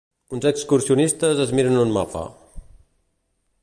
Uns excursionistes es miren un mapa.